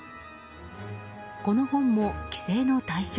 この本も規制の対象。